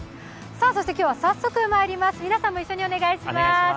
そして今日は早速まいります、皆さんも一緒にお願いします。